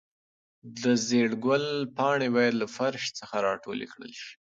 د زېړ ګل پاڼې باید له فرش څخه راټولې کړل شي.